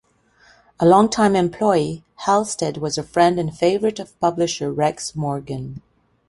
A long-time employee, Halstead was a friend and favorite of publisher Rex Morgan.